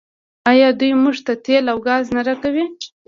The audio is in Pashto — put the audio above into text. آیا دوی موږ ته تیل او ګاز نه راکوي؟